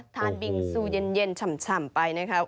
บิงซูเย็นฉ่ำไปนะครับ